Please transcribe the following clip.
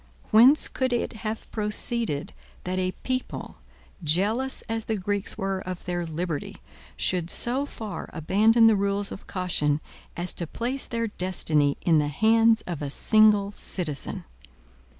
Whence could it have proceeded, that a people, jealous as the Greeks were of their liberty, should so far abandon the rules of caution as to place their destiny in the hands of a single citizen?